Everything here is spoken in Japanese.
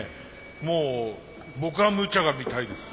もう僕はむちゃが見たいです。